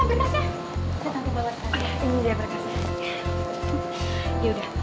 ini dia barengannya